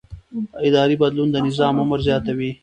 اداري بدلون د نظام عمر زیاتوي